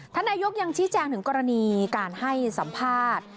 นายกยังชี้แจงถึงกรณีการให้สัมภาษณ์